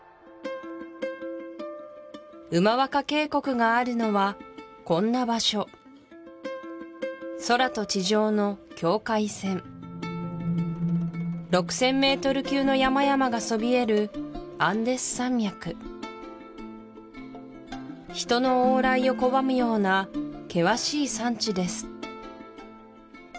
ウマワカ渓谷があるのはこんな場所空と地上の境界線６０００メートル級の山々がそびえるアンデス山脈人の往来を拒むような険しい山地です